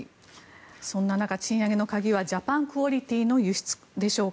そんな中賃上げの鍵はジャパン・クオリティーの輸出でしょうか。